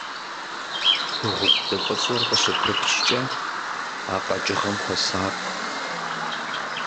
Шыгъулды фӀыцӀэр къыщыпыпчкӀэ а къэкӀыгъэм хуэсакъ.